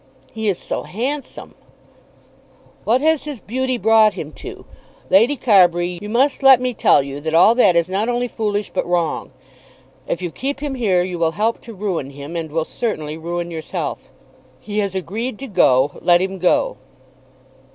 "He is so handsome." "What has his beauty brought him to? Lady Carbury, you must let me tell you that all that is not only foolish but wrong. If you keep him here you will help to ruin him, and will certainly ruin yourself. He has agreed to go; let him go."